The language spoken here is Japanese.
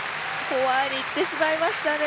フォアでいってしまいましたね。